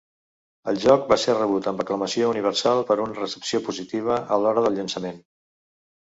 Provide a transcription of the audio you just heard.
El joc va ser rebut amb aclamació universal per una recepció positiva a l'hora del llançament.